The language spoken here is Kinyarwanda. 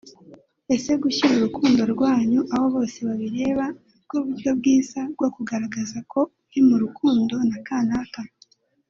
Ese guhyira urukundo rwanyu aho bose babireba nibwo buryo bwiza bwo kugaragaza ko uri mu rukundo na kanaka